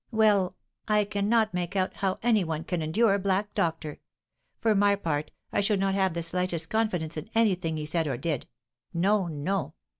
Well, I cannot make out how any one can endure a black doctor! For my part I should not have the slightest confidence in anything he said or did. No, no!